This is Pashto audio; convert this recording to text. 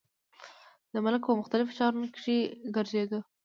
د ملک پۀ مختلفو ښارونو کښې ګرزيدو ۔